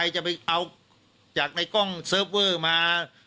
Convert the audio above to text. จะไปเอาจากในกล้องเซิร์ฟเวอร์มา